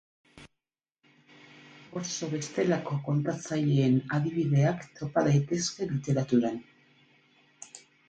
Oso bestelako kontatzaileen adibideak topa daitezke literaturan.